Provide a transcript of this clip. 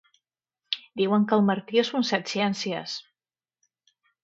Diuen que el Martí és un set-ciències.